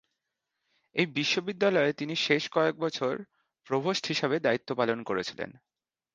এই বিশ্ববিদ্যালয়ে তিনি শেষ কয়েক বছর প্রভোস্ট হিসেবে দায়িত্ব পালন করেছিলেন।